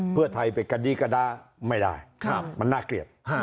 เพื่อไทยไปกระดี้กระดาไม่ได้มันน่าเกลียด